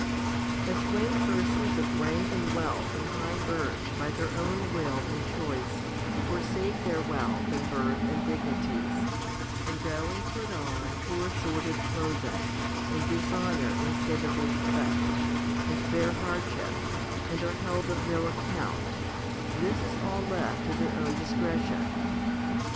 10. As when persons of rank and wealth and high birth by their own will and choice forsake their wealth and birth and dignities, and go and put on poor sordid clothing, and dishonour instead of respect, and bear hardship, and are held of no account, this is all left to their own discretion.